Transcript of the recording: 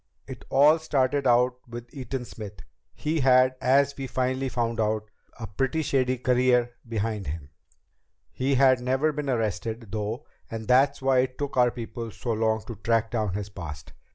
"It all started out with Eaton Smith. He had, as we finally found out, a pretty shady career behind him. He had never been arrested, though, and that's why it took our people so long to track down his past.